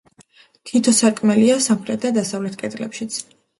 თითო სარკმელია სამხრეთ და დასავლეთ კედლებშიც.